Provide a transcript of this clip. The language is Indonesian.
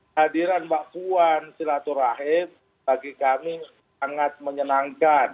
hadiran mbak puan silaturahim bagi kami sangat menyenangkan